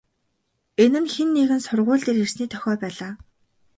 Энэ нь хэн нэгэн сургууль дээр ирсний дохио байлаа.